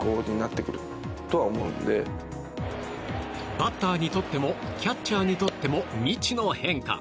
バッターにとってもキャッチャーにとっても未知の変化。